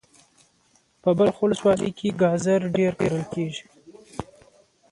په بلخ ولسوالی کی ګازر ډیر کرل کیږي.